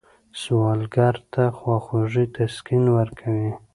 سوالګر ته خواخوږي تسکین ورکوي